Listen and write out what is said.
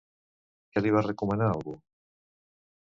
Què li va recomanar algú?